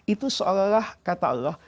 itu seolah olah kata allah